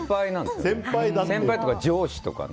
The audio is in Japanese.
先輩とか上司とかね。